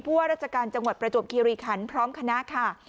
เพื่อรัฐกาลจังหวัดประจบคิรีผันพร้อมคณะค่ะ